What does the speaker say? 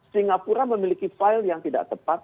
singapura memiliki file yang tidak tepat